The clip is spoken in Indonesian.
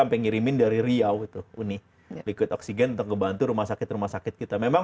sampai ngirimin dari riau itu uni liquid oksigen untuk ngebantu rumah sakit rumah sakit kita memang